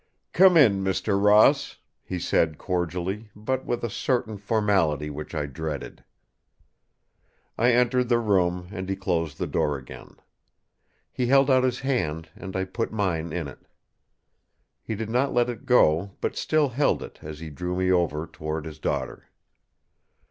"Come in, Mr. Ross!" he said cordially, but with a certain formality which I dreaded. I entered the room, and he closed the door again. He held out his hand, and I put mine in it. He did not let it go, but still held it as he drew me over toward his daughter.